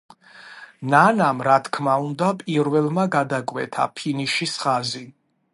ნანამ რა თქმა უნდა პირველმა გადაკვეთა ფინიშის ხაზი.